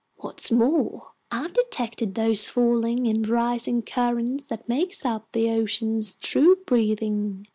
What's more, I've detected those falling and rising currents that make up the ocean's true breathing.